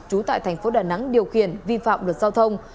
trú tại thành phố đà nẵng điều khiển vi phạm luật giao thông